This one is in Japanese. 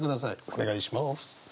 お願いします。